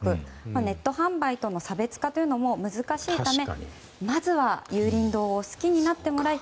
ネット販売との差別化というのも難しいためまずは有隣堂を好きになってもらい